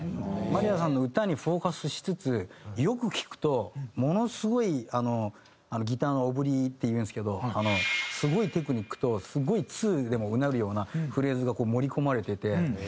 まりやさんの歌にフォーカスしつつよく聴くとものすごいギターのオブリっていうんですけどすごいテクニックとすごい通でもうなるようなフレーズが盛り込まれてて。